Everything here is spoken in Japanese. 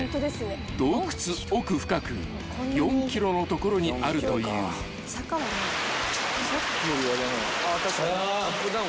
［洞窟奥深く４ｋｍの所にあるという］あ。